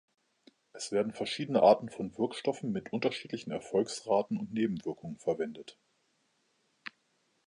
Es werden verschiedene Arten von Wirkstoffen mit unterschiedlichen Erfolgsraten und Nebenwirkungen verwendet.